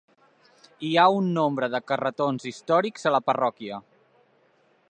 Hi ha un nombre de carretons històrics a la parròquia.